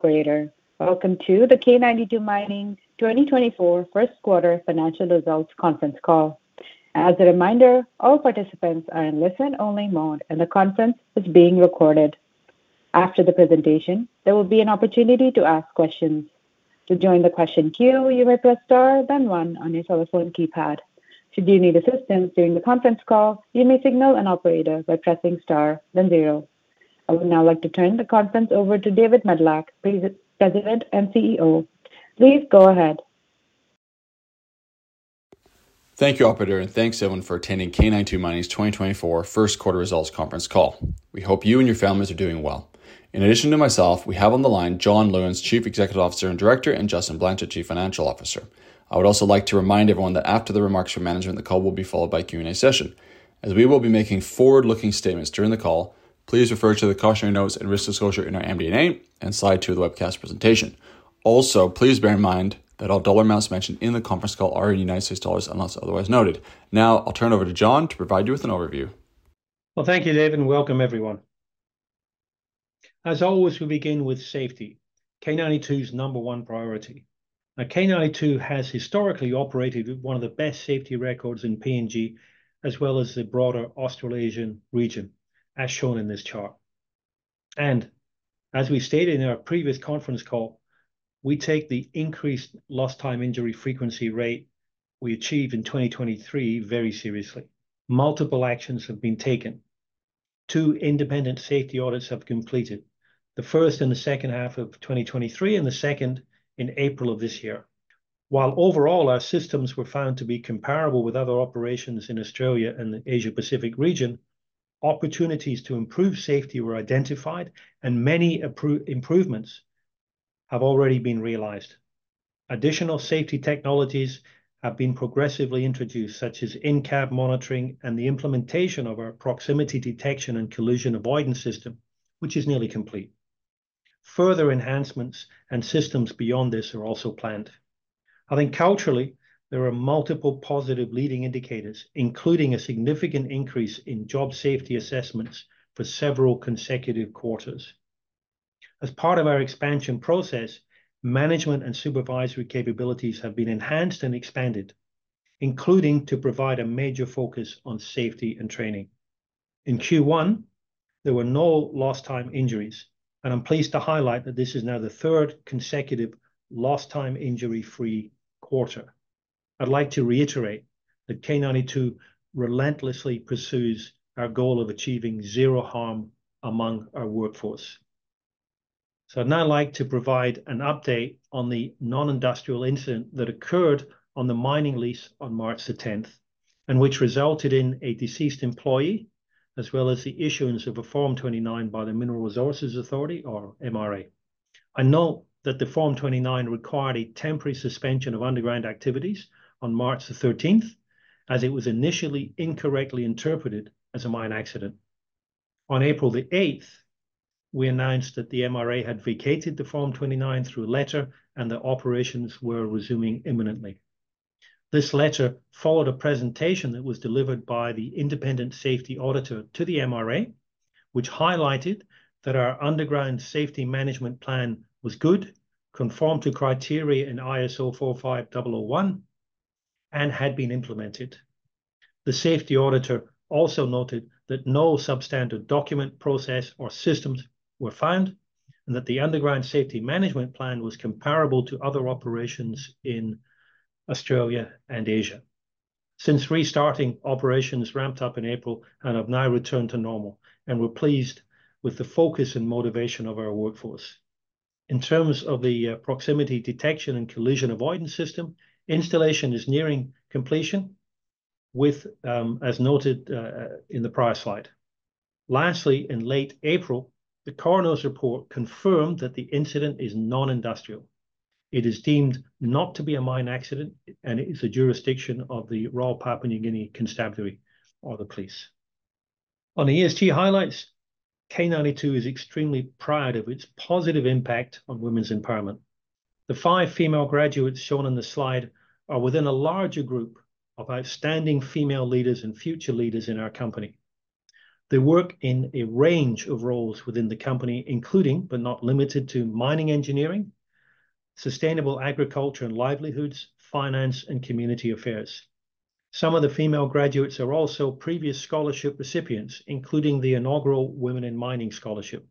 Greetings. Welcome to the K92 Mining 2024 First Quarter Financial Results Conference Call. As a reminder, all participants are in listen-only mode and the conference is being recorded. After the presentation, there will be an opportunity to ask questions. To join the question queue, you may press star, then one, on your telephone keypad. Should you need assistance during the conference call, you may signal an operator by pressing star, then zero. I would now like to turn the conference over to David Medilek, President and CEO. Please go ahead. Thank you, Operator, and thanks, everyone, for attending K92 Mining's 2024 First Quarter Results Conference Call. We hope you and your families are doing well. In addition to myself, we have on the line John Lewins, Chief Executive Officer and Director, and Justin Blanchet, Chief Financial Officer. I would also like to remind everyone that after the remarks from management, the call will be followed by a Q&A session. As we will be making forward-looking statements during the call, please refer to the cautionary notes and risk disclosure in our MD&A and slide two of the webcast presentation. Also, please bear in mind that all dollar amounts mentioned in the conference call are in USD unless otherwise noted. Now I'll turn it over to John to provide you with an overview. Well, thank you, David, and welcome, everyone. As always, we begin with safety, K92's number one priority. Now, K92 has historically operated with one of the best safety records in PNG as well as the broader Australasian region, as shown in this chart. As we stated in our previous conference call, we take the increased lost-time injury frequency rate we achieved in 2023 very seriously. Multiple actions have been taken. 2 independent safety audits have completed, the first in the second half of 2023 and the second in April of this year. While overall our systems were found to be comparable with other operations in Australia and the Asia-Pacific region, opportunities to improve safety were identified and many improvements have already been realized. Additional safety technologies have been progressively introduced, such as in-cab monitoring and the implementation of our proximity detection and collision avoidance system, which is nearly complete. Further enhancements and systems beyond this are also planned. I think culturally there are multiple positive leading indicators, including a significant increase in job safety assessments for several consecutive quarters. As part of our expansion process, management and supervisory capabilities have been enhanced and expanded, including to provide a major focus on safety and training. In Q1, there were no lost-time injuries, and I'm pleased to highlight that this is now the third consecutive lost-time injury-free quarter. I'd like to reiterate that K92 relentlessly pursues our goal of achieving zero harm among our workforce. I'd now like to provide an update on the non-industrial incident that occurred on the mining lease on March 10, and which resulted in a deceased employee as well as the issuance of a Form 29 by the Mineral Resources Authority, or MRA. I note that the Form 29 required a temporary suspension of underground activities on March 13, as it was initially incorrectly interpreted as a mine accident. On April 8, we announced that the MRA had vacated the Form 29 through letter and that operations were resuming imminently. This letter followed a presentation that was delivered by the independent safety auditor to the MRA, which highlighted that our underground safety management plan was good, conformed to criteria in ISO 45001, and had been implemented. The safety auditor also noted that no substandard document, process, or systems were found, and that the underground safety management plan was comparable to other operations in Australia and Asia. Since restarting, operations ramped up in April and have now returned to normal, and we're pleased with the focus and motivation of our workforce. In terms of the proximity detection and collision avoidance system, installation is nearing completion, as noted in the prior slide. Lastly, in late April, the Coroner's report confirmed that the incident is non-industrial. It is deemed not to be a mine accident and is a jurisdiction of the Royal Papua New Guinea Constabulary or the police. On the ESG highlights, K92 is extremely proud of its positive impact on women's empowerment. The five female graduates shown on the slide are within a larger group of outstanding female leaders and future leaders in our company. They work in a range of roles within the company, including but not limited to mining engineering, sustainable agriculture and livelihoods, finance, and community affairs. Some of the female graduates are also previous scholarship recipients, including the inaugural Women in Mining Scholarship.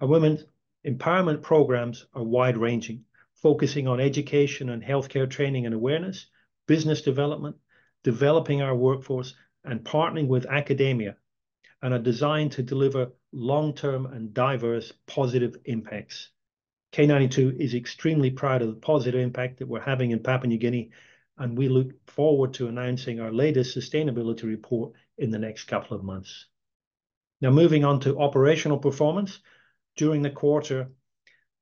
Our women's empowerment programs are wide-ranging, focusing on education and healthcare training and awareness, business development, developing our workforce, and partnering with academia, and are designed to deliver long-term and diverse positive impacts. K92 is extremely proud of the positive impact that we're having in Papua New Guinea, and we look forward to announcing our latest sustainability report in the next couple of months. Now, moving on to operational performance. During the quarter,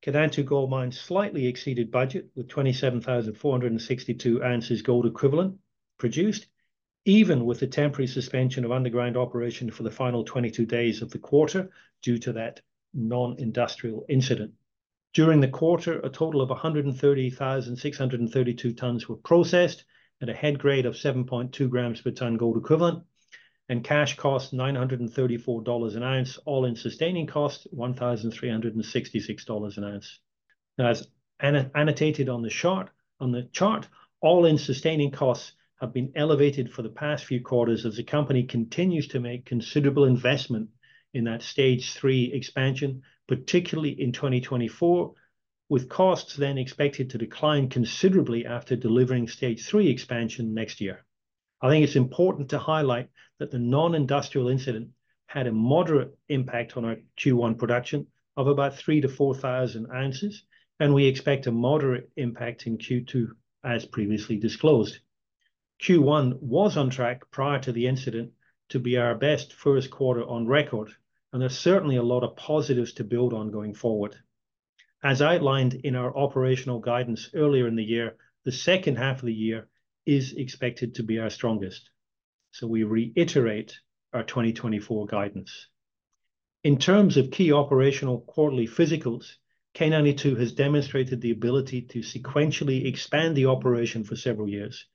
Kainantu Gold Mine slightly exceeded budget, with 27,462 ounces gold equivalent produced, even with the temporary suspension of underground operation for the final 22 days of the quarter due to that non-industrial incident. During the quarter, a total of 130,632 tonnes were processed at a head grade of 7.2 grams per tonne gold equivalent, and cash cost $934 an ounce, All-In Sustaining Costs $1,366 an ounce. Now, as annotated on the chart, All-In Sustaining Costs have been elevated for the past few quarters as the company continues to make considerable investment in that Stage III Expansion, particularly in 2024, with costs then expected to decline considerably after delivering Stage III Expansion next year. I think it's important to highlight that the non-industrial incident had a moderate impact on our Q1 production of about 3,000-4,000 ounces, and we expect a moderate impact in Q2, as previously disclosed. Q1 was on track prior to the incident to be our best first quarter on record, and there's certainly a lot of positives to build on going forward. As outlined in our operational guidance earlier in the year, the second half of the year is expected to be our strongest, so we reiterate our 2024 guidance. In terms of key operational quarterly physicals, K92 has demonstrated the ability to sequentially expand the operation for several years,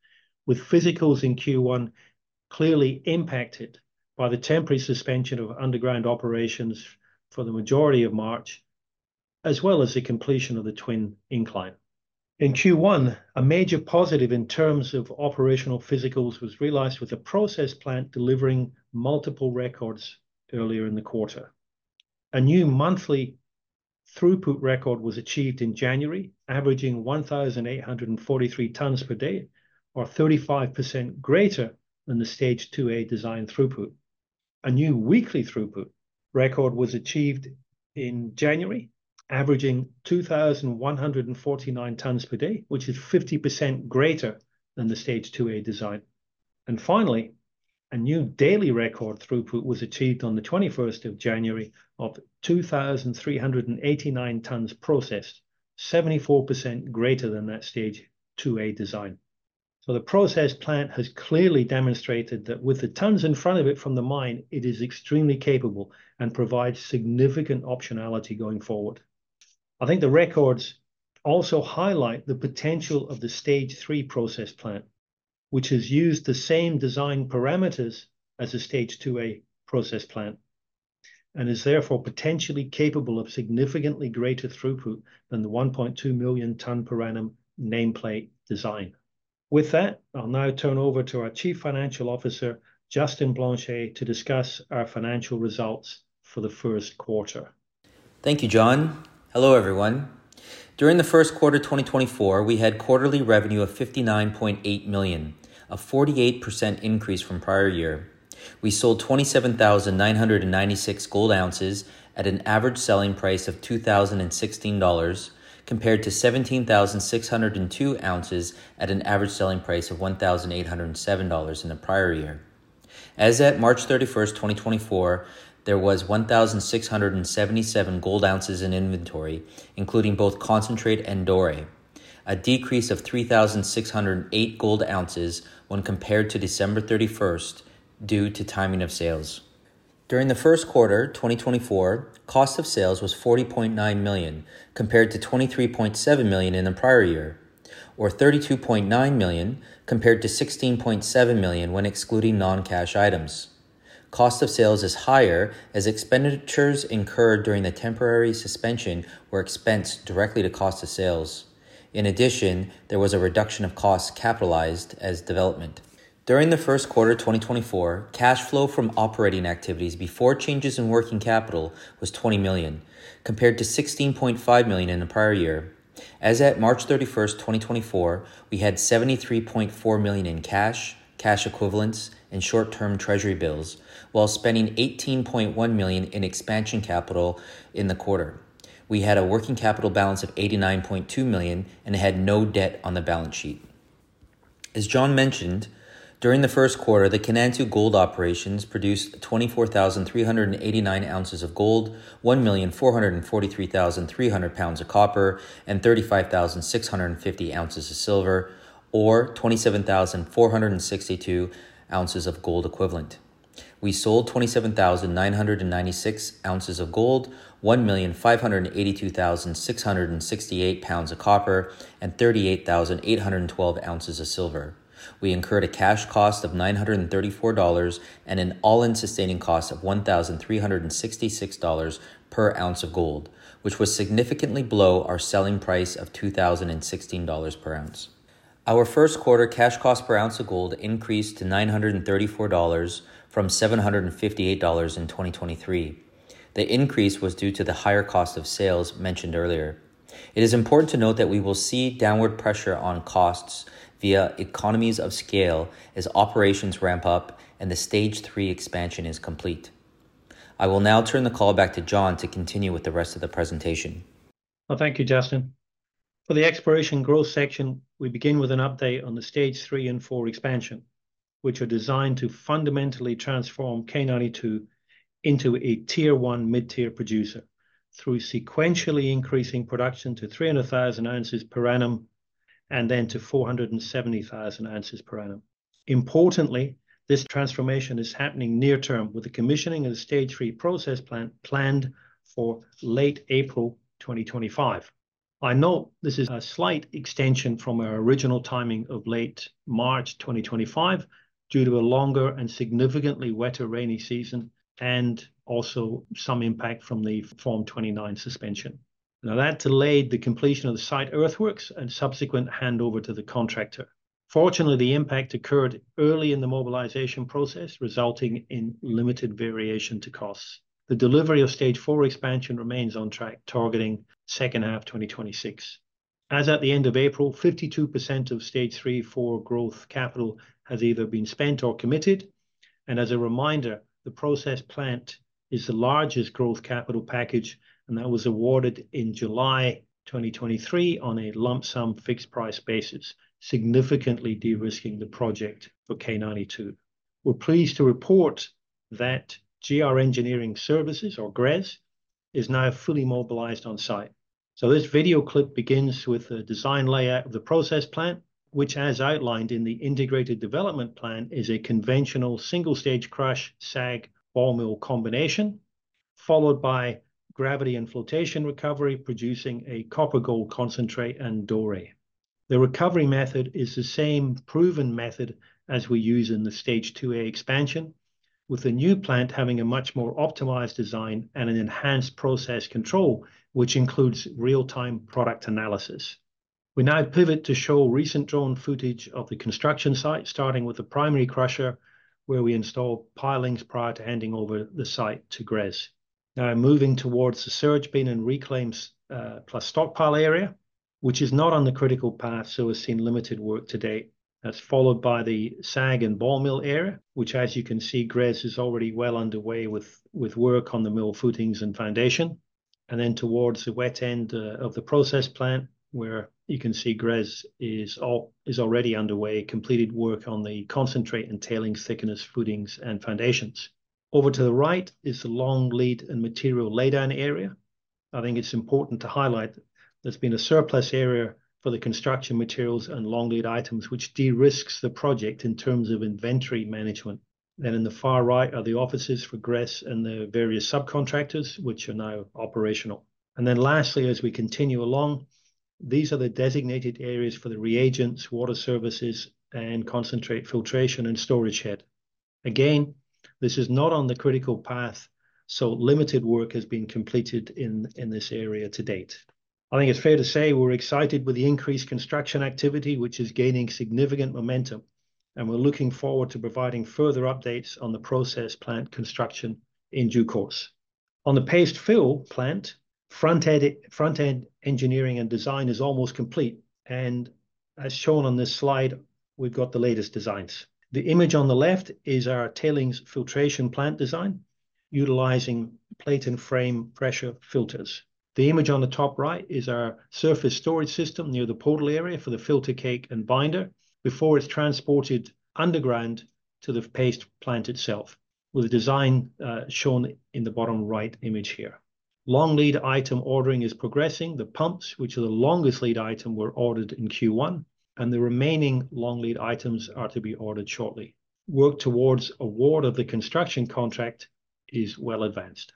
with physicals in Q1 clearly impacted by the temporary suspension of underground operations for the majority of March, as well as the completion of the Twin Incline. In Q1, a major positive in terms of operational physicals was realized with a process plant delivering multiple records earlier in the quarter. A new monthly throughput record was achieved in January, averaging 1,843 tons per day, or 35% greater than the Stage IIA design throughput. A new weekly throughput record was achieved in January, averaging 2,149 tons per day, which is 50% greater than the Stage IIA design. And finally, a new daily record throughput was achieved on the 21st of January of 2,389 tons processed, 74% greater than that Stage IIA design. So the process plant has clearly demonstrated that with the tonnes in front of it from the mine, it is extremely capable and provides significant optionality going forward. I think the records also highlight the potential of the Stage III process plant, which has used the same design parameters as the Stage IIA process plant and is therefore potentially capable of significantly greater throughput than the 1.2 million tonnes per annum nameplate design. With that, I'll now turn over to our Chief Financial Officer, Justin Blanchet, to discuss our financial results for the first quarter. Thank you, John. Hello, everyone. During the first quarter of 2024, we had quarterly revenue of $59.8 million, a 48% increase from prior year. We sold 27,996 gold ounces at an average selling price of $2,016, compared to 17,602 ounces at an average selling price of $1,807 in the prior year. As at March 31, 2024, there was 1,677 gold ounces in inventory, including both concentrate and doré, a decrease of 3,608 gold ounces when compared to December 31 due to timing of sales. During the first quarter of 2024, cost of sales was $40.9 million, compared to $23.7 million in the prior year, or $32.9 million, compared to $16.7 million when excluding non-cash items. Cost of sales is higher as expenditures incurred during the temporary suspension were expensed directly to cost of sales. In addition, there was a reduction of costs capitalized as development. During the first quarter of 2024, cash flow from operating activities before changes in working capital was $20 million, compared to $16.5 million in the prior year. As of March 31, 2024, we had $73.4 million in cash, cash equivalents, and short-term treasury bills, while spending $18.1 million in expansion capital in the quarter. We had a working capital balance of $89.2 million and had no debt on the balance sheet. As John mentioned, during the first quarter, the Kainantu Gold Operations produced 24,389 ounces of gold, 1,443,300 pounds of copper, and 35,650 ounces of silver, or 27,462 ounces of gold equivalent. We sold 27,996 ounces of gold, 1,582,668 pounds of copper, and 38,812 ounces of silver. We incurred a cash cost of $934 and an all-in sustaining cost of $1,366 per ounce of gold, which was significantly below our selling price of $2,016 per ounce of gold. Our first quarter cash cost per ounce of gold increased to $934 from $758 in 2023. The increase was due to the higher cost of sales mentioned earlier. It is important to note that we will see downward pressure on costs via economies of scale as operations ramp up and the Stage III Expansion is complete. I will now turn the call back to John to continue with the rest of the presentation. Well, thank you, Justin. For the exploration growth section, we begin with an update on the Stage III and IV Expansion, which are designed to fundamentally transform K92 into a Tier 1 mid-tier producer through sequentially increasing production to 300,000 ounces per annum and then to 470,000 ounces per annum. Importantly, this transformation is happening near-term, with the commissioning of the Stage III process plant planned for late April 2025. I note this is a slight extension from our original timing of late March 2025, due to a longer and significantly wetter rainy season, and also some impact from the Form 29 suspension. Now, that delayed the completion of the site earthworks and subsequent handover to the contractor. Fortunately, the impact occurred early in the mobilization process, resulting in limited variation to costs. The delivery of Stage IV Expansion remains on track, targeting second half 2026. As at the end of April, 52% of Stage III/IV growth capital has either been spent or committed. As a reminder, the process plant is the largest growth capital package, and that was awarded in July 2023 on a lump-sum fixed-price basis, significantly de-risking the project for K92. We're pleased to report that GR Engineering Services, or GRES, is now fully mobilized on site. This video clip begins with the design layout of the process plant, which, as outlined in the integrated development plan, is a conventional single-stage crush, SAG, ball mill combination, followed by gravity and flotation recovery, producing a copper-gold concentrate and doré. The recovery method is the same proven method as we use in the Stage IIA expansion, with the new plant having a much more optimized design and an enhanced process control, which includes real-time product analysis. We now pivot to show recent drone footage of the construction site, starting with the primary crusher, where we install pilings prior to handing over the site to GRES. Now, moving towards the surge bin and reclaims plus stockpile area, which is not on the critical path, so we're seeing limited work to date. That's followed by the SAG and ball mill area, which, as you can see, GRES is already well underway with work on the mill footings and foundation. And then towards the wet end of the process plant, where you can see GRES is already underway, completed work on the concentrate and tailings thickener footings and foundations. Over to the right is the long lead and material laydown area. I think it's important to highlight that there's been a surplus area for the construction materials and long lead items, which de-risks the project in terms of inventory management. Then in the far right are the offices for GRES and the various subcontractors, which are now operational. And then lastly, as we continue along, these are the designated areas for the reagents, water services, and concentrate filtration and storage shed. Again, this is not on the critical path, so limited work has been completed in this area to date. I think it's fair to say we're excited with the increased construction activity, which is gaining significant momentum, and we're looking forward to providing further updates on the process plant construction in due course. On the paste fill plant, front-end engineering and design is almost complete, and as shown on this slide, we've got the latest designs. The image on the left is our tailings filtration plant design, utilizing plate and frame pressure filters. The image on the top right is our surface storage system near the portal area for the filter cake and binder, before it's transported underground to the paste plant itself, with the design shown in the bottom right image here. Long lead item ordering is progressing. The pumps, which are the longest lead item, were ordered in Q1, and the remaining long lead items are to be ordered shortly. Work towards award of the construction contract is well advanced.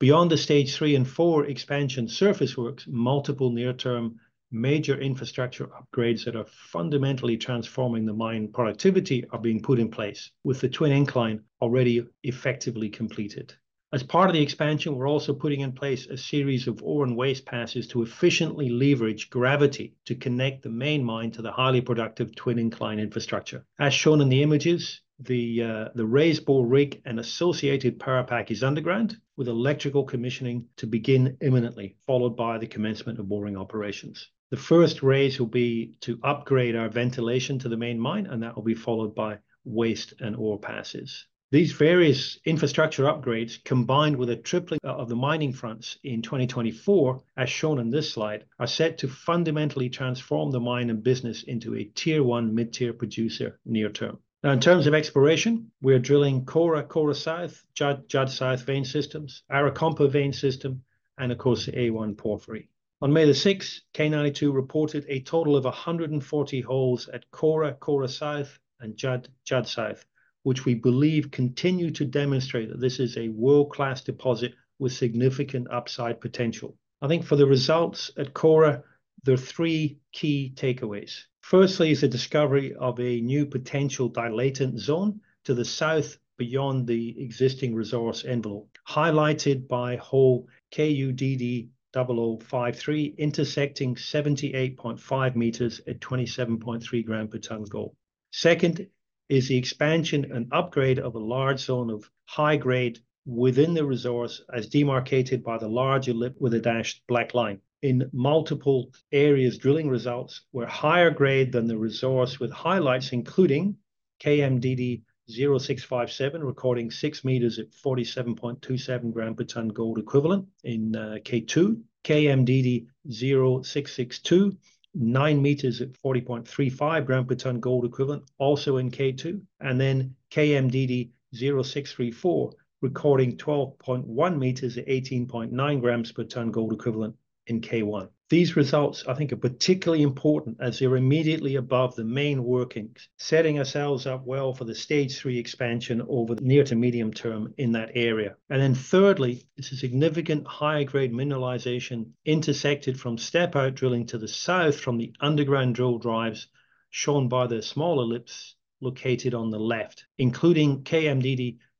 Beyond the Stage III and IV Expansion surface works, multiple near-term major infrastructure upgrades that are fundamentally transforming the mine productivity are being put in place, with the Twin Incline already effectively completed. As part of the expansion, we're also putting in place a series of ore and waste passes to efficiently leverage gravity to connect the main mine to the highly productive Twin Incline infrastructure. As shown in the images, the raised bore rig and associated power pack is underground, with electrical commissioning to begin imminently, followed by the commencement of boring operations. The first raise will be to upgrade our ventilation to the main mine, and that will be followed by waste and ore passes. These various infrastructure upgrades, combined with a tripling of the mining fronts in 2024, as shown on this slide, are set to fundamentally transform the mine and business into a Tier 1 mid-tier producer near-term. Now, in terms of exploration, we're drilling Kora, Kora South, Judd South vein systems, Arakompa vein system, and of course the A1 Porphyry. On May 6, K92 reported a total of 140 holes at Kora, Kora South, and Judd South, which we believe continue to demonstrate that this is a world-class deposit with significant upside potential. I think for the results at Kora, there are three key takeaways. Firstly, is the discovery of a new potential dilatant zone to the south beyond the existing resource envelope, highlighted by hole KUDD0053, intersecting 78.5 metres at 27.3 grams per tonne gold. Second, is the expansion and upgrade of a large zone of high grade within the resource, as demarcated by the large ellipse with a dashed black line. In multiple areas drilling results were higher grade than the resource with highlights, including KMDD0657 recording 6 meters at 47.27 grams per ton gold equivalent in K2, KMDD0662 9 meters at 40.35 grams per ton gold equivalent also in K2, and then KMDD0634 recording 12.1 meters at 18.9 grams per ton gold equivalent in K1. These results I think are particularly important as they're immediately above the main workings, setting ourselves up well for the Stage III Expansion over the near to medium term in that area. And then thirdly, it's a significant higher grade mineralization intersected from step-out drilling to the south from the underground drill drives, shown by the small ellipse located on the left, including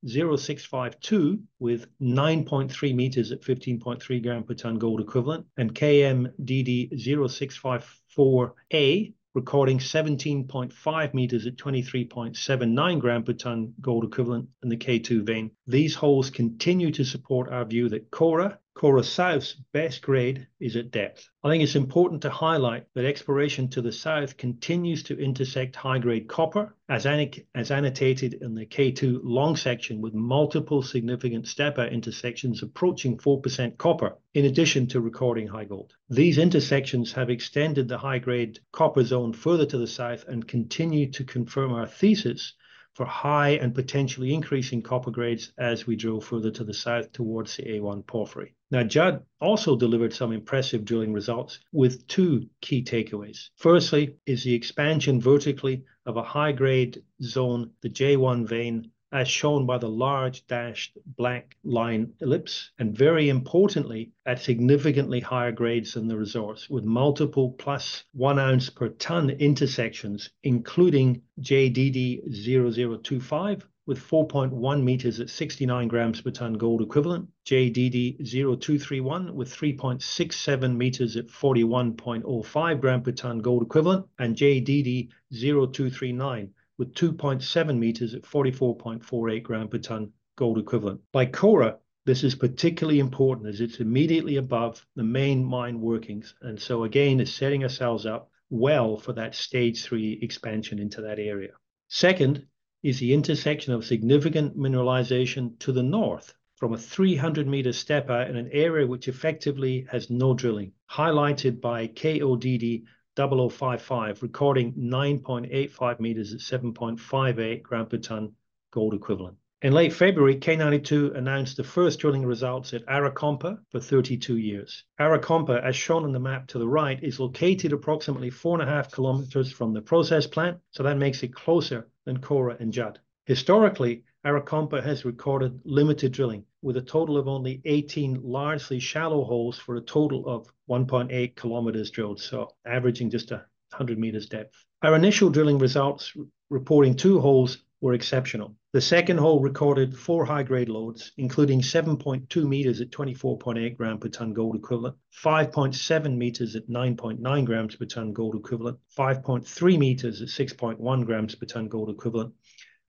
KMDD0652 with 9.3 meters at 15.3 grams per ton gold equivalent and KMDD0654A recording 17.5 meters at 23.79 grams per ton gold equivalent in the K2 vein. These holes continue to support our view that Kora, Kora South's best grade is at depth. I think it's important to highlight that exploration to the south continues to intersect high-grade copper, as annotated in the K2 long section, with multiple significant step-out intersections approaching 4% copper, in addition to recording high gold. These intersections have extended the high-grade copper zone further to the south and continue to confirm our thesis for high and potentially increasing copper grades as we drill further to the south towards the A1 Porphyry. Now, Judd also delivered some impressive drilling results with two key takeaways. Firstly, is the expansion vertically of a high-grade zone, the J1 vein, as shown by the large dashed black line ellipse, and very importantly, at significantly higher grades than the resource, with multiple plus 1 ounce per tonne intersections, including JDD0025 with 4.1 meters at 69 grams per tonne gold equivalent, JDD0231 with 3.67 meters at 41.05 grams per tonne gold equivalent, and JDD0239 with 2.7 meters at 44.48 grams per tonne gold equivalent. By Kora, this is particularly important as it's immediately above the main mine workings, and so again, is setting ourselves up well for that Stage III Expansion into that area. Second, is the intersection of significant mineralization to the north from a 300 meters step-out in an area which effectively has no drilling, highlighted by KODD0055, recording 9.85 meters at 7.58 grams per tonne gold equivalent. In late February, K92 announced the first drilling results at Arakompa for 32 years. Arakompa, as shown on the map to the right, is located approximately 4.5 kilometers from the process plant, so that makes it closer than Kora and Judd. Historically, Arakompa has recorded limited drilling, with a total of only 18 largely shallow holes for a total of 1.8 kilometers drilled, so averaging just 100 meters depth. Our initial drilling results, reporting 2 holes, were exceptional. The second hole recorded 4 high-grade lodes, including 7.2 meters at 24.8 grams per tonne gold equivalent, 5.7 meters at 9.9 grams per tonne gold equivalent, 5.3 meters at 6.1 grams per tonne gold equivalent,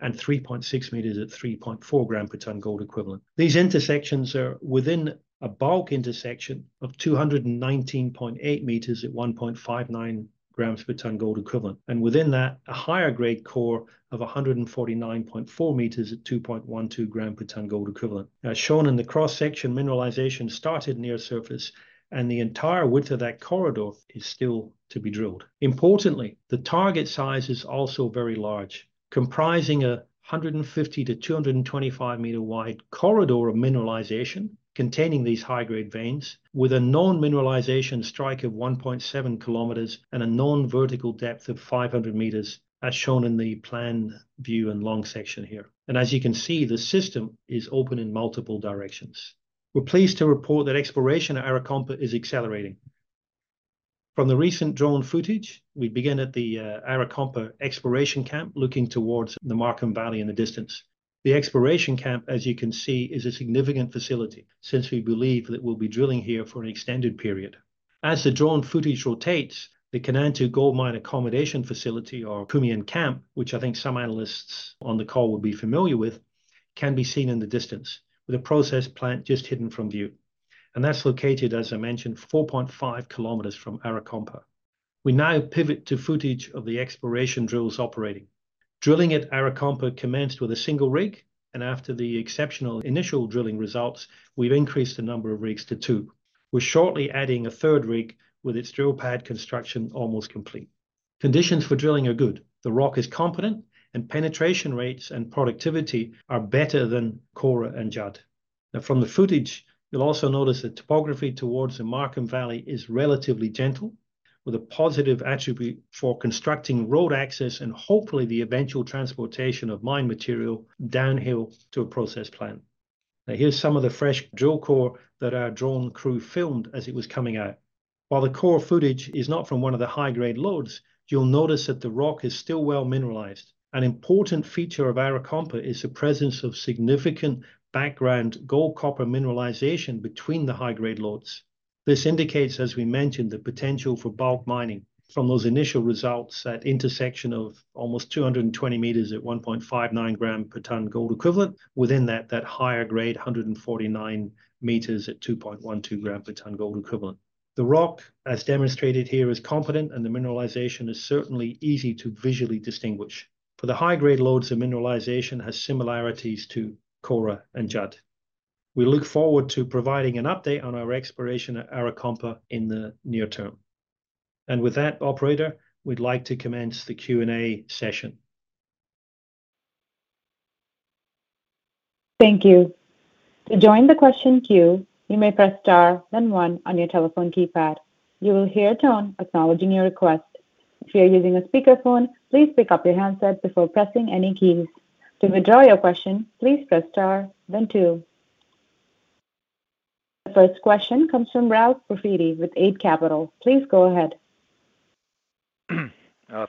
and 3.6 meters at 3.4 grams per tonne gold equivalent. These intersections are within a bulk intersection of 219.8 meters at 1.59 grams per tonne gold equivalent, and within that, a higher grade core of 149.4 meters at 2.12 grams per tonne gold equivalent. As shown in the cross-section, mineralization started near surface, and the entire width of that corridor is still to be drilled. Importantly, the target size is also very large, comprising a 150-225 meters wide corridor of mineralization containing these high-grade veins, with a non-mineralization strike of 1.7 kilometers and a non-vertical depth of 500 meters, as shown in the plan view and long section here. As you can see, the system is open in multiple directions. We're pleased to report that exploration at Arakompa is accelerating. From the recent drone footage, we begin at the Arakompa exploration camp, looking towards the Markham Valley in the distance. The exploration camp, as you can see, is a significant facility, since we believe that we'll be drilling here for an extended period. As the drone footage rotates, the Kainantu Gold Mine Accommodation Facility, or Kumian Camp, which I think some analysts on the call would be familiar with, can be seen in the distance, with a process plant just hidden from view. That's located, as I mentioned, 4.5 kilometers from Arakompa. We now pivot to footage of the exploration drills operating. Drilling at Arakompa commenced with a single rig, and after the exceptional initial drilling results, we've increased the number of rigs to 2. We're shortly adding a third rig, with its drill pad construction almost complete. Conditions for drilling are good. The rock is competent, and penetration rates and productivity are better than Kora and Judd. Now, from the footage, you'll also notice that topography towards the Markham Valley is relatively gentle, with a positive attribute for constructing road access and hopefully the eventual transportation of mine material downhill to a process plant. Now, here's some of the fresh drill core that our drone crew filmed as it was coming out. While the core footage is not from one of the high-grade lodes, you'll notice that the rock is still well mineralized. An important feature of Arakompa is the presence of significant background gold copper mineralization between the high-grade lodes. This indicates, as we mentioned, the potential for bulk mining from those initial results at intersection of almost 220 meters at 1.59 grams per ton gold equivalent, within that higher grade 149 meters at 2.12 grams per ton gold equivalent. The rock, as demonstrated here, is competent, and the mineralization is certainly easy to visually distinguish. For the high-grade lodes, the mineralization has similarities to Kora and Judd. We look forward to providing an update on our exploration at Arakompa in the near term. With that, operator, we'd like to commence the Q&A session. Thank you. To join the question queue, you may press star, then one, on your telephone keypad. You will hear a tone acknowledging your request. If you're using a speakerphone, please pick up your handset before pressing any keys. To withdraw your question, please press star, then two. The first question comes from Ralph Profiti with Eight Capital. Please go ahead.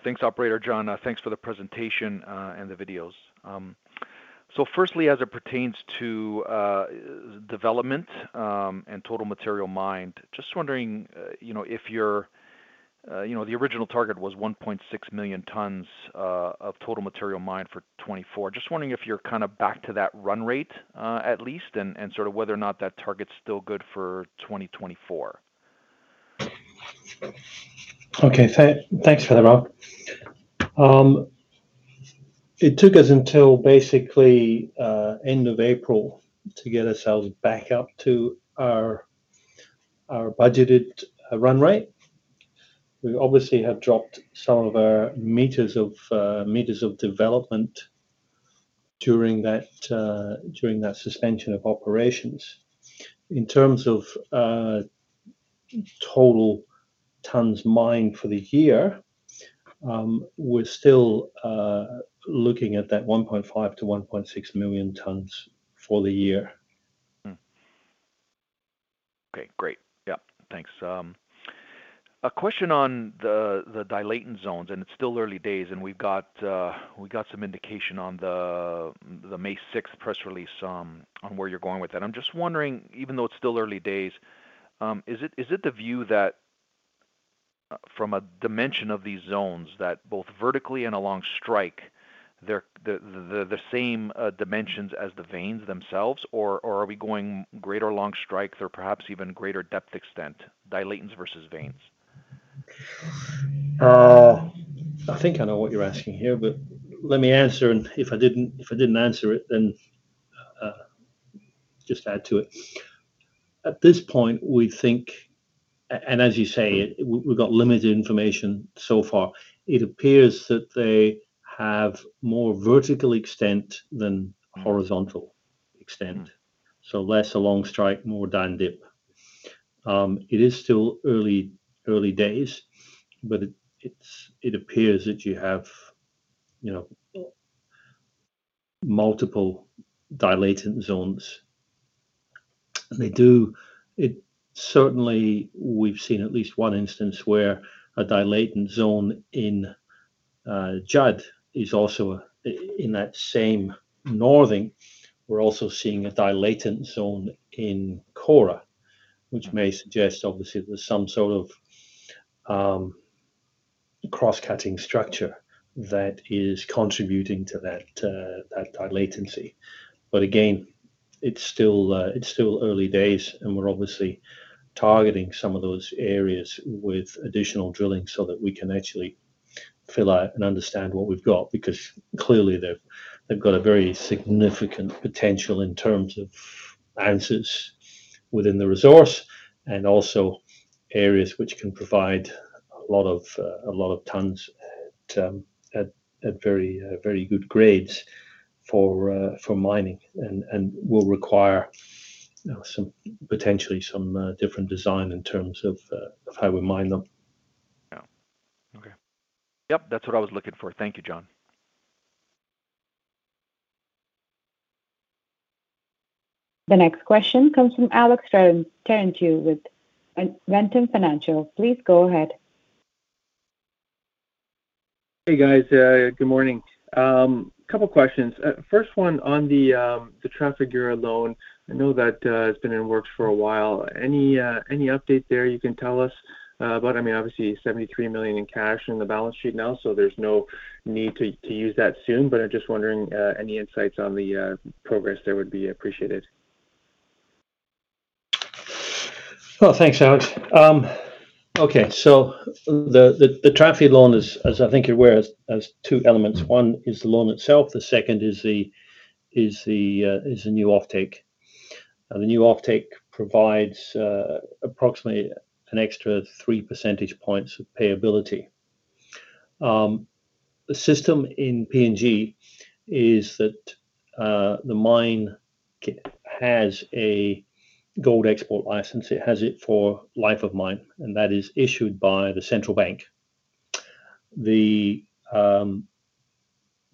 Thanks, Operator John. Thanks for the presentation and the videos. So firstly, as it pertains to development and total material mined, just wondering if your original target was 1.6 million tonnes of total material mined for 2024. Just wondering if you're kind of back to that run rate, at least, and sort of whether or not that target's still good for 2024. Okay. Thanks for that, Ralph. It took us until basically end of April to get ourselves back up to our budgeted run rate. We obviously have dropped some of our meters of development during that suspension of operations. In terms of total tons mined for the year, we're still looking at that 1.5-1.6 million tons for the year. Okay. Great. Yep. Thanks. A question on the dilatant zones, and it's still early days, and we've got some indication on the May 6 press release on where you're going with that. I'm just wondering, even though it's still early days, is it the view that from a dimension of these zones, that both vertically and along strike, they're the same dimensions as the veins themselves, or are we going greater along strikes or perhaps even greater depth extent, dilatants versus veins? I think I know what you're asking here, but let me answer, and if I didn't answer it, then just add to it. At this point, we think and as you say, we've got limited information so far. It appears that they have more vertical extent than horizontal extent, so less along strike, more down dip. It is still early days, but it appears that you have multiple dilatant zones. And they do certainly, we've seen at least one instance where a dilatant zone in Judd is also in that same northing. We're also seeing a dilatant zone in Kora, which may suggest, obviously, there's some sort of cross-cutting structure that is contributing to that dilatancy. But again, it's still early days, and we're obviously targeting some of those areas with additional drilling so that we can actually fill out and understand what we've got, because clearly they've got a very significant potential in terms of answers within the resource and also areas which can provide a lot of tons at very good grades for mining and will require potentially some different design in terms of how we mine them. Yeah. Okay. Yep. That's what I was looking for. Thank you, John. The next question comes from Alex Terentiew with Ventum Financial. Please go ahead. Hey, guys. Good morning. A couple of questions. First one, on the Trafigura loan, I know that it's been in works for a while. Any update there you can tell us about? I mean, obviously, $73 million in cash in the balance sheet now, so there's no need to use that soon, but I'm just wondering any insights on the progress there would be appreciated. Well, thanks, Alex. Okay. So the Trafigura loan, as I think you're aware, has two elements. One is the loan itself. The second is the new offtake. The new offtake provides approximately an extra 3 percentage points of payability. The system in PNG is that the mine has a gold export license. It has it for life of mine, and that is issued by the central bank. The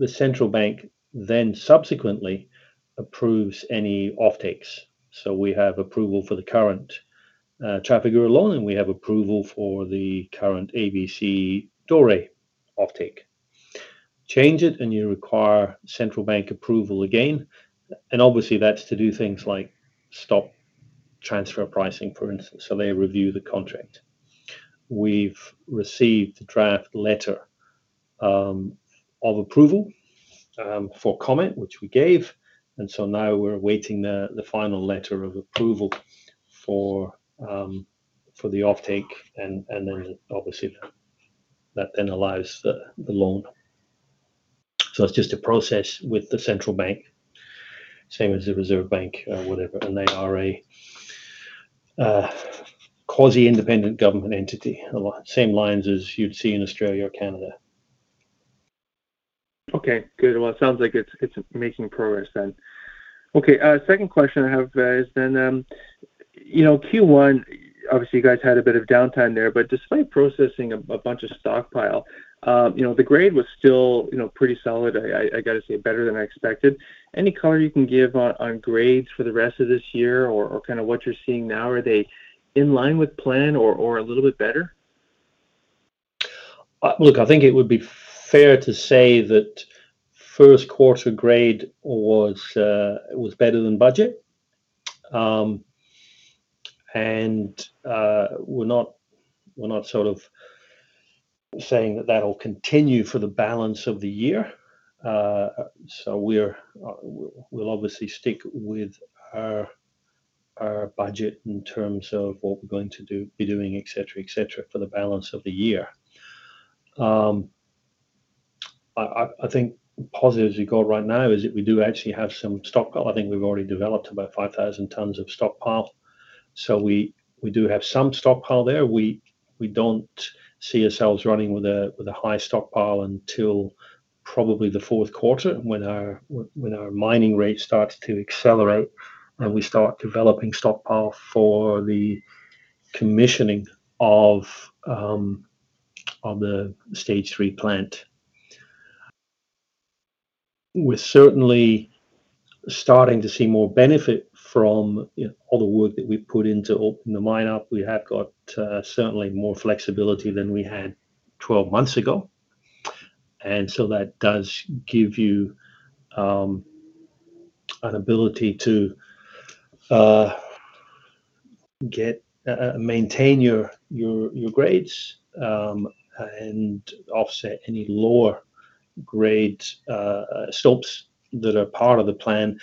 central bank then subsequently approves any offtakes. So we have approval for the current Trafigura loan, and we have approval for the current ABC doré offtake. Change it, and you require central bank approval again. And obviously, that's to do things like stop transfer pricing, for instance, so they review the contract. We've received the draft letter of approval for comment, which we gave, and so now we're awaiting the final letter of approval for the offtake, and then obviously, that then allows the loan. So it's just a process with the central bank, same as the Reserve Bank, whatever, and they are a quasi-independent government entity, same lines as you'd see in Australia or Canada. Okay. Good. Well, it sounds like it's making progress then. Okay. Second question I have is then Q1, obviously, you guys had a bit of downtime there, but despite processing a bunch of stockpile, the grade was still pretty solid, I got to say, better than I expected. Any color you can give on grades for the rest of this year or kind of what you're seeing now? Are they in line with plan or a little bit better? Look, I think it would be fair to say that first quarter grade was better than budget, and we're not sort of saying that that'll continue for the balance of the year. So we'll obviously stick with our budget in terms of what we're going to be doing, etc., etc., for the balance of the year. I think positives we've got right now is that we do actually have some stockpile. I think we've already developed about 5,000 tonnes of stockpile, so we do have some stockpile there. We don't see ourselves running with a high stockpile until probably the fourth quarter, when our mining rate starts to accelerate and we start developing stockpile for the commissioning of the stage three plant. We're certainly starting to see more benefit from all the work that we put into opening the mine up. We have got certainly more flexibility than we had 12 months ago, and so that does give you an ability to maintain your grades and offset any lower grade stopes that are part of the plan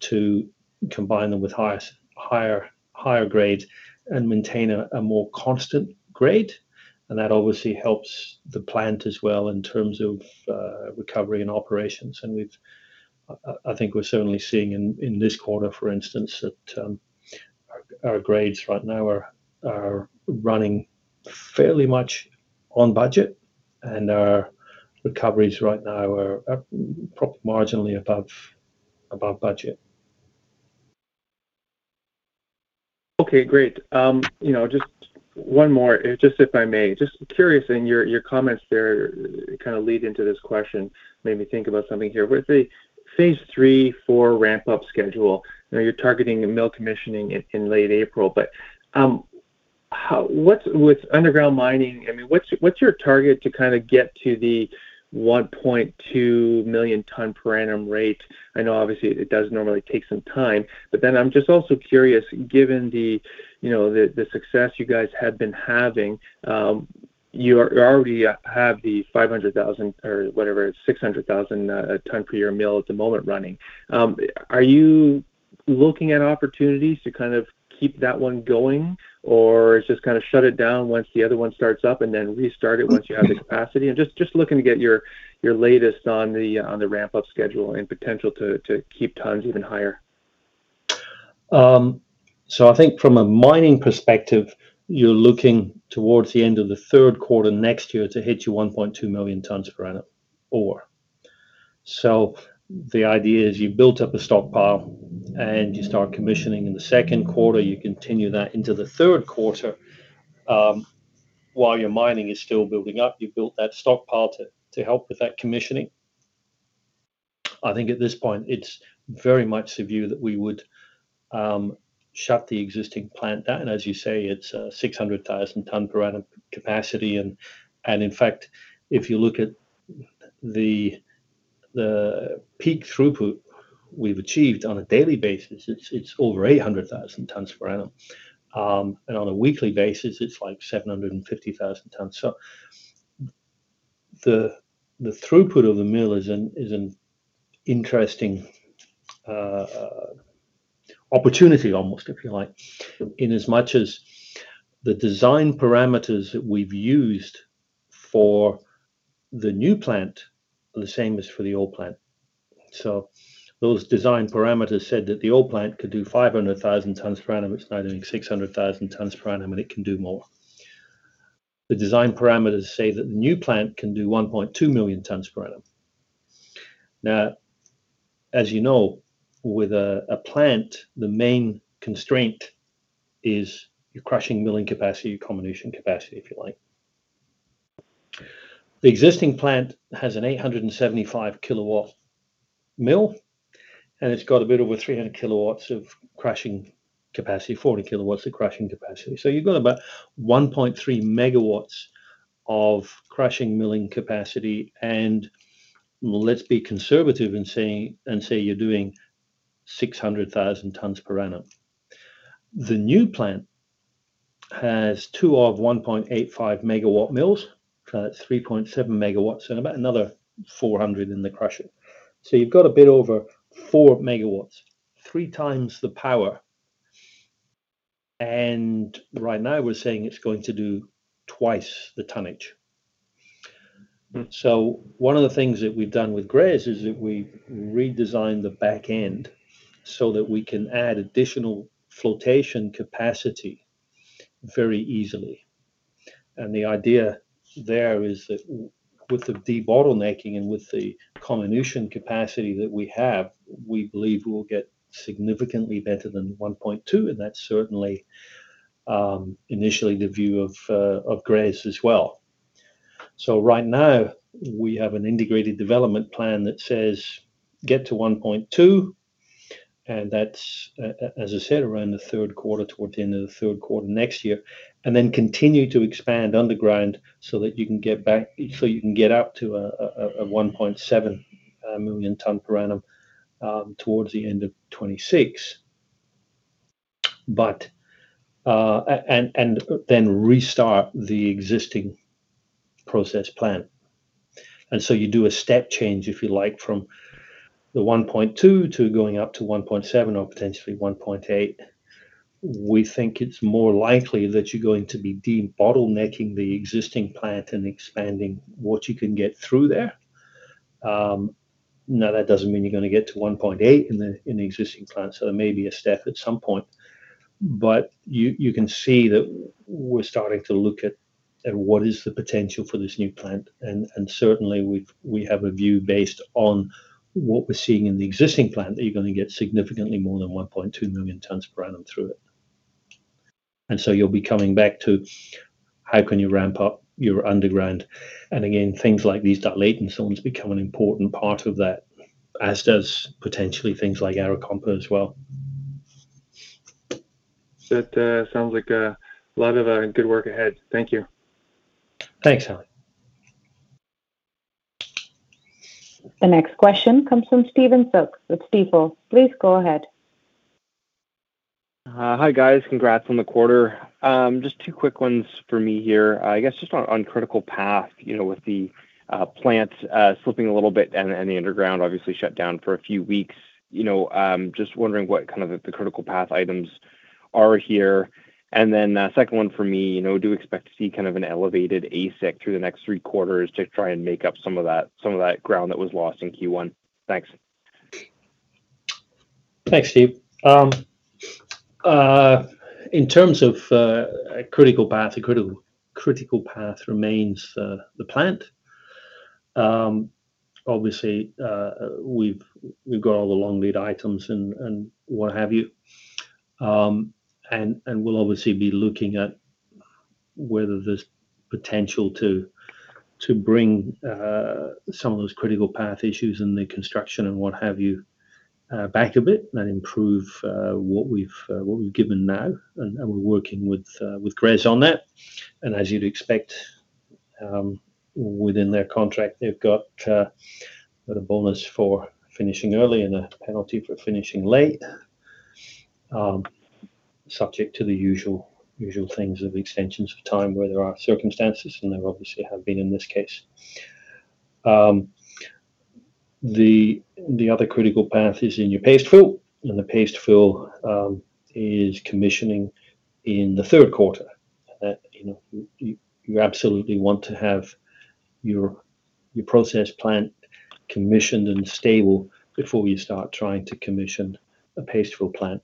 to combine them with higher grades and maintain a more constant grade. That obviously helps the plant as well in terms of recovery and operations. I think we're certainly seeing in this quarter, for instance, that our grades right now are running fairly much on budget, and our recoveries right now are marginally above budget. Okay. Great. Just one more, just if I may. Just curious, and your comments there kind of lead into this question, made me think about something here. With the phase three, four ramp-up schedule, you're targeting mill commissioning in late April, but with underground mining, I mean, what's your target to kind of get to the 1.2 million tonne per annum rate? I know, obviously, it does normally take some time, but then I'm just also curious, given the success you guys have been having, you already have the 500,000 or whatever, 600,000 tonne per year mill at the moment running. Are you looking at opportunities to kind of keep that one going, or is it just kind of shut it down once the other one starts up and then restart it once you have the capacity? I'm just looking to get your latest on the ramp-up schedule and potential to keep tons even higher. So I think from a mining perspective, you're looking towards the end of the third quarter next year to hit your 1.2 million tonnes per annum or. So the idea is you've built up a stockpile, and you start commissioning in the second quarter. You continue that into the third quarter while your mining is still building up. You've built that stockpile to help with that commissioning. I think at this point, it's very much the view that we would shut the existing plant down. And as you say, it's 600,000 tonne per annum capacity. And in fact, if you look at the peak throughput we've achieved on a daily basis, it's over 800,000 tonnes per annum. And on a weekly basis, it's like 750,000 tonnes. So the throughput of the mill is an interesting opportunity, almost, if you like, in as much as the design parameters that we've used for the new plant are the same as for the old plant. So those design parameters said that the old plant could do 500,000 tonnes per annum. It's now doing 600,000 tonnes per annum, and it can do more. The design parameters say that the new plant can do 1.2 million tonnes per annum. Now, as you know, with a plant, the main constraint is your crushing milling capacity, your comminution capacity, if you like. The existing plant has an 875 kW mill, and it's got a bit over 300 kW of crushing capacity, 40 kW of crushing capacity. So you've got about 1.3 MW of crushing milling capacity, and let's be conservative and say you're doing 600,000 tonnes per annum. The new plant has two 1.85-MW mills, so that's 3.7 MW, and about another 400 in the crusher. So you've got a bit over 4 MW, three times the power, and right now we're saying it's going to do twice the tonnage. So one of the things that we've done with GRES is that we've redesigned the back end so that we can add additional flotation capacity very easily. And the idea there is that with the debottlenecking and with the comminution capacity that we have, we believe we'll get significantly better than 1.2, and that's certainly initially the view of GRES as well. So right now, we have an integrated development plan that says get to 1.2, and that's, as I said, around the third quarter, towards the end of the third quarter next year, and then continue to expand underground so that you can get back so you can get up to a 1.7 million tonnes per annum towards the end of 2026, and then restart the existing process plant. And so you do a step change, if you like, from the 1.2 to going up to 1.7 or potentially 1.8. We think it's more likely that you're going to be debottlenecking the existing plant and expanding what you can get through there. Now, that doesn't mean you're going to get to 1.8 in the existing plant, so there may be a step at some point, but you can see that we're starting to look at what is the potential for this new plant, and certainly, we have a view based on what we're seeing in the existing plant that you're going to get significantly more than 1.2 million tonnes per annum through it. And so you'll be coming back to how can you ramp up your underground, and again, things like these dilatant zones become an important part of that, as does potentially things like Arakompa as well. That sounds like a lot of good work ahead. Thank you. Thanks, Alex. The next question comes from Stephen Soock. at Stifel. Please go ahead. Hi, guys. Congrats on the quarter. Just two quick ones for me here. I guess just on critical path with the plant slipping a little bit and the underground obviously shut down for a few weeks, just wondering what kind of the critical path items are here. And then second one for me, do you expect to see kind of an elevated AISC through the next three quarters to try and make up some of that ground that was lost in Q1? Thanks. Thanks, Steve. In terms of critical path, the critical path remains the plant. Obviously, we've got all the long lead items and what have you, and we'll obviously be looking at whether there's potential to bring some of those critical path issues in the construction and what have you back a bit and improve what we've given now, and we're working with GRES on that. And as you'd expect, within their contract, they've got a bonus for finishing early and a penalty for finishing late, subject to the usual things of extensions of time where there are circumstances, and there obviously have been in this case. The other critical path is in your paste fill, and the paste fill is commissioning in the third quarter. You absolutely want to have your process plant commissioned and stable before you start trying to commission a paste fill plant,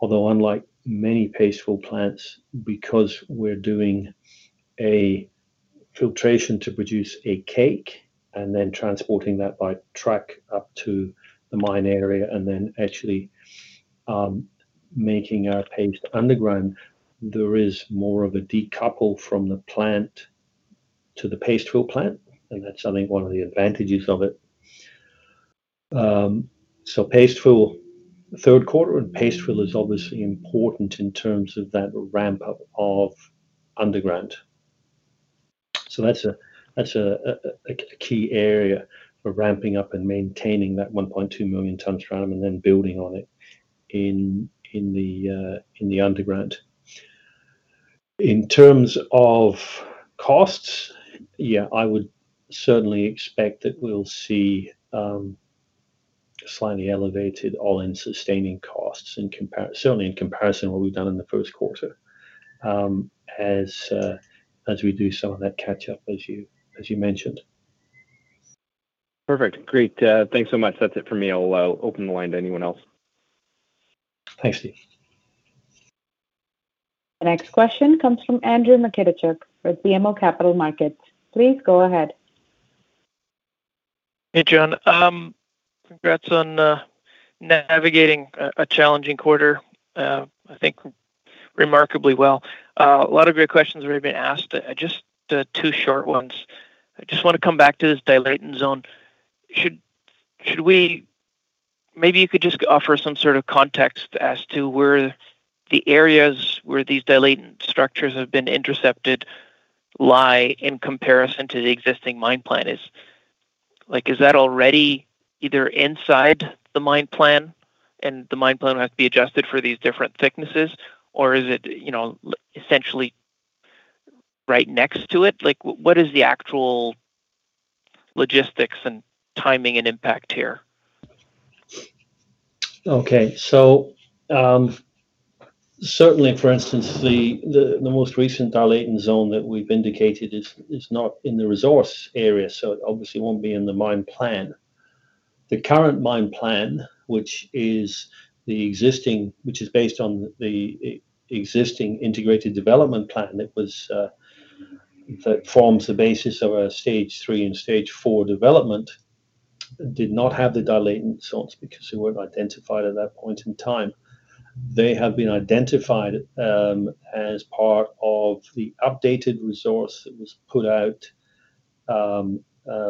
although unlike many paste fill plants, because we're doing a filtration to produce a cake and then transporting that by track up to the mine area and then actually making our paste underground, there is more of a decouple from the plant to the paste fill plant, and that's, I think, one of the advantages of it. So paste fill third quarter and paste fill is obviously important in terms of that ramp-up of underground. So that's a key area for ramping up and maintaining that 1.2 million tonnes per annum and then building on it in the underground. In terms of costs, yeah, I would certainly expect that we'll see slightly elevated All-In Sustaining Costs, certainly in comparison to what we've done in the first quarter as we do some of that catch-up, as you mentioned. Perfect. Great. Thanks so much. That's it for me. I'll open the line to anyone else. Thanks, Steve. The next question comes from Andrew Mikitchook for BMO Capital Markets. Please go ahead. Hey, John. Congrats on navigating a challenging quarter, I think, remarkably well. A lot of great questions have already been asked. Just two short ones. I just want to come back to this dilatant zone. Maybe you could just offer some sort of context as to where the areas where these dilatant structures have been intercepted lie in comparison to the existing mine plan. Is that already either inside the mine plan, and the mine plan will have to be adjusted for these different thicknesses, or is it essentially right next to it? What is the actual logistics and timing and impact here? Okay. So certainly, for instance, the most recent dilatant zone that we've indicated is not in the resource area, so it obviously won't be in the mine plan. The current mine plan, which is based on the existing integrated development plan that forms the basis of our stage three and stage four development, did not have the dilatant zones because they weren't identified at that point in time. They have been identified as part of the updated resource that was put out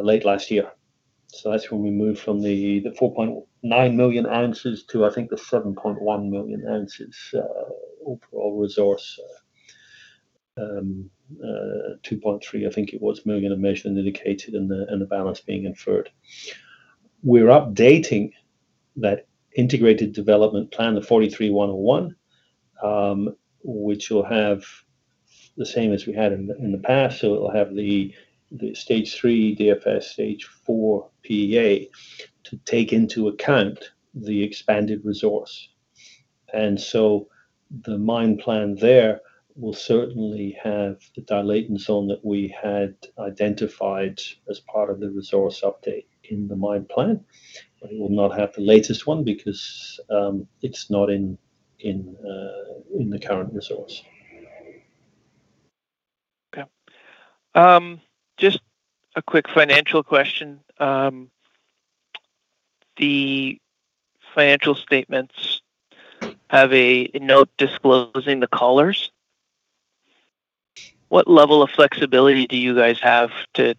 late last year. So that's when we moved from the 4.9 million ounces to, I think, the 7.1 million ounces overall resource. 2.3, I think it was, million of measured and indicated and the balance being inferred. We're updating that integrated development plan, the 43-101, which will have the same as we had in the past, so it'll have the Stage III DFS, Stage IV PEA to take into account the expanded resource. So the mine plan there will certainly have the dilatant zone that we had identified as part of the resource update in the mine plan, but it will not have the latest one because it's not in the current resource. Okay. Just a quick financial question. The financial statements have a note disclosing the collars. What level of flexibility do you guys have to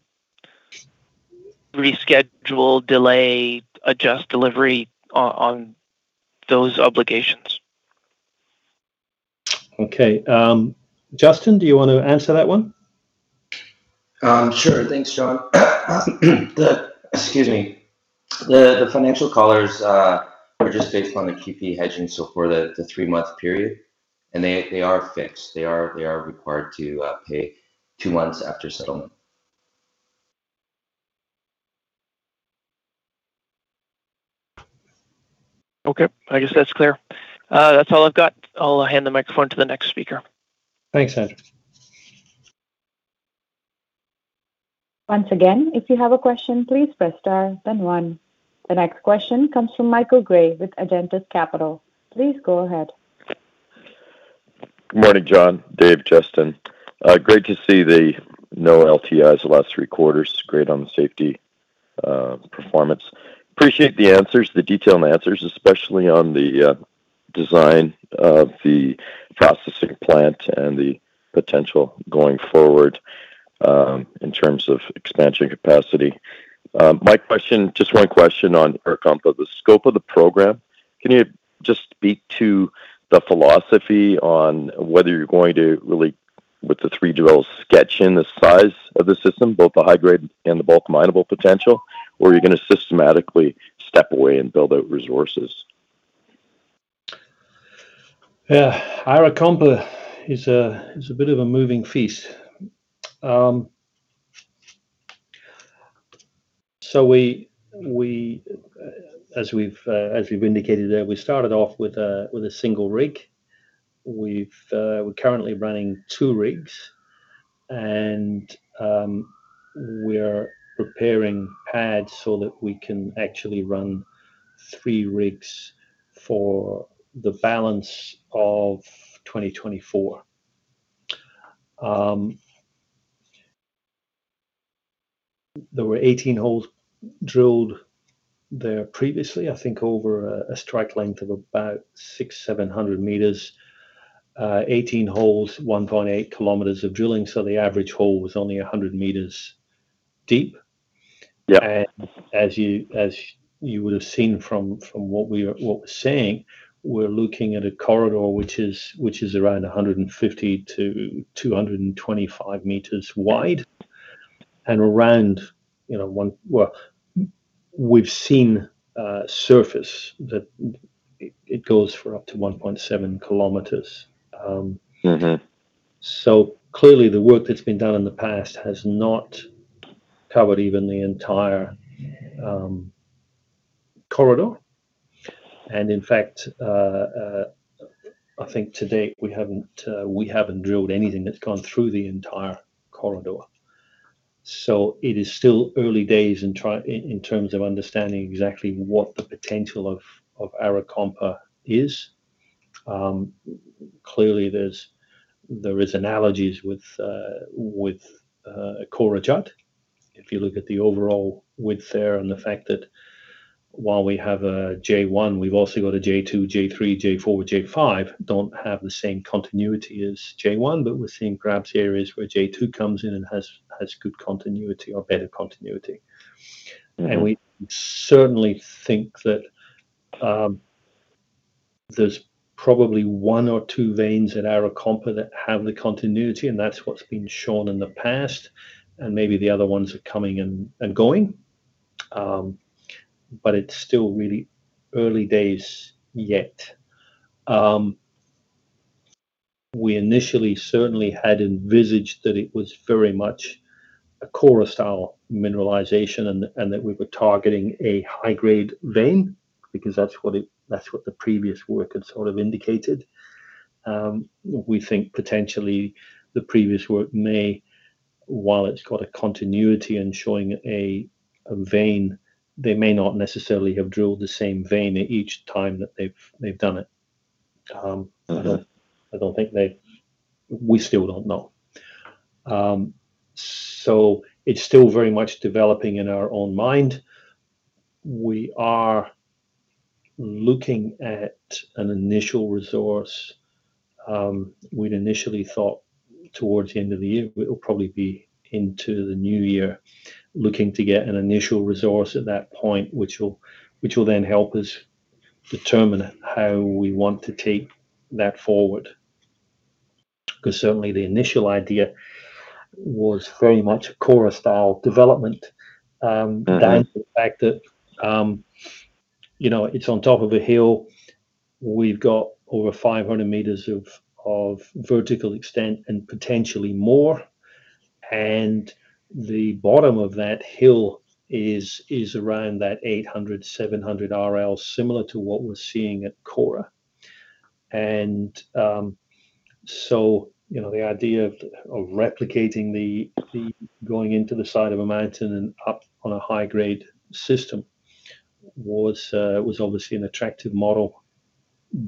reschedule, delay, adjust delivery on those obligations? Okay. Justin, do you want to answer that one? Sure. Thanks, John. Excuse me. The financials are just based on the QP hedging so far, the three-month period, and they are fixed. They are required to pay two months after settlement. Okay. I guess that's clear. That's all I've got. I'll hand the microphone to the next speaker. Thanks, Andrew. Once again, if you have a question, please press star, then one. The next question comes from Michael Gray with Agentis Capital. Please go ahead. Good morning, John, Dave, Justin. Great to see the no LTIs the last three quarters. Great on the safety performance. Appreciate the detailed answers, especially on the design of the processing plant and the potential going forward in terms of expansion capacity. Just one question on Arakompa. The scope of the program, can you just speak to the philosophy on whether you're going to really, with the three drills sketching in, the size of the system, both the high-grade and the bulk minable potential, or are you going to systematically step away and build out resources? Yeah. Arakompa is a bit of a moving feast. So as we've indicated there, we started off with a single rig. We're currently running 2 rigs, and we're preparing pads so that we can actually run 3 rigs for the balance of 2024. There were 18 holes drilled there previously, I think, over a strike length of about 6,700 meters, 18 holes, 1.8 kilometers of drilling, so the average hole was only 100 meters deep. And as you would have seen from what we're saying, we're looking at a corridor which is around 150-225 meters wide and around well, we've seen surface that it goes for up to 1.7 kilometers. So clearly, the work that's been done in the past has not covered even the entire corridor. And in fact, I think to date, we haven't drilled anything that's gone through the entire corridor. So it is still early days in terms of understanding exactly what the potential of Arakompa is. Clearly, there are analogies with Kora Judd. If you look at the overall width there and the fact that while we have a J1, we've also got a J2, J3, J4, J5. Don't have the same continuity as J1, but we're seeing perhaps areas where J2 comes in and has good continuity or better continuity. And we certainly think that there's probably one or two veins at Arakompa that have the continuity, and that's what's been shown in the past, and maybe the other ones are coming and going, but it's still really early days yet. We initially certainly had envisaged that it was very much a Kora-style mineralization and that we were targeting a high-grade vein because that's what the previous work had sort of indicated. We think potentially the previous work may, while it's got a continuity and showing a vein, they may not necessarily have drilled the same vein each time that they've done it. I don't think. We still don't know. So it's still very much developing in our own mind. We are looking at an initial resource. We'd initially thought towards the end of the year, it'll probably be into the new year, looking to get an initial resource at that point which will then help us determine how we want to take that forward because certainly the initial idea was very much a Kora-style development down to the fact that it's on top of a hill. We've got over 500 meters of vertical extent and potentially more, and the bottom of that hill is around that 800-700 RL, similar to what we're seeing at Kora. And so the idea of replicating the going into the side of a mountain and up on a high-grade system was obviously an attractive model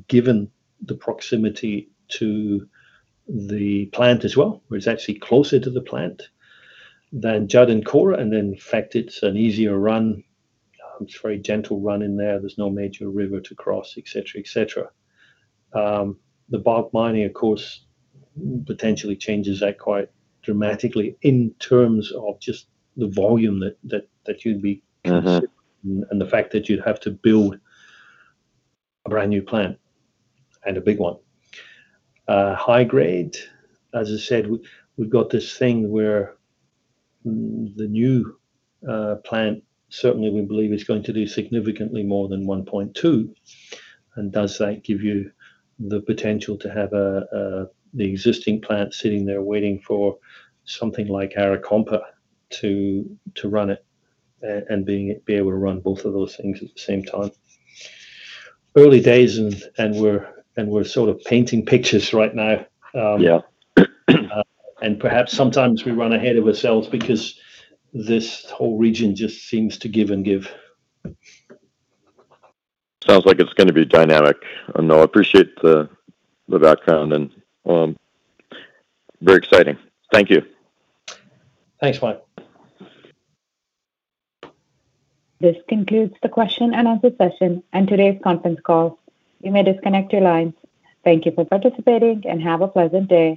given the proximity to the plant as well, where it's actually closer to the plant than Judd and Kora, and then in fact, it's an easier run. It's a very gentle run in there. There's no major river to cross, etc., etc. The bulk mining, of course, potentially changes that quite dramatically in terms of just the volume that you'd be considering and the fact that you'd have to build a brand new plant and a big one. High-grade, as I said, we've got this thing where the new plant certainly we believe is going to do significantly more than 1.2, and does that give you the potential to have the existing plant sitting there waiting for something like Arakompa to run it and be able to run both of those things at the same time? Early days, and we're sort of painting pictures right now, and perhaps sometimes we run ahead of ourselves because this whole region just seems to give and give. Sounds like it's going to be dynamic. I appreciate the background and very exciting. Thank you. Thanks, Mike. This concludes the question and answer session and today's conference call. You may disconnect your lines. Thank you for participating and have a pleasant day.